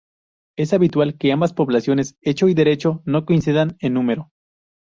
Es habitual que ambas poblaciones -hecho y derecho- no coincidan en número.